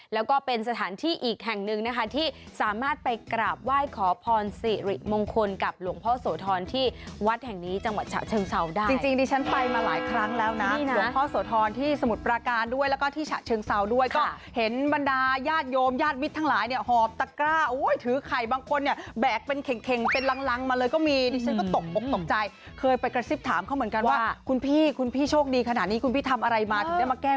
แล้วก็เป็นสถานที่อีกแห่งนึงนะคะที่สามารถไปกราบไหว้ขอพรศิริมงคลกับหลวงพ่อโสธรที่วัดแห่งนี้จังหวัดฉะเชิงเซาได้จริงดิฉันไปมาหลายครั้งแล้วนะหลวงพ่อโสธรที่สมุทรปราการด้วยแล้วก็ที่ฉะเชิงเซาด้วยก็เห็นบรรดายาดโยมยาดวิทย์ทั้งหลายเนี่ยหอบตะกล้าถือไข่บางคนเนี่ยแบกเป